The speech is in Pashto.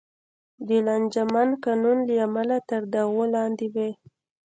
د لانجمن قانون له امله تر دعوو لاندې وې.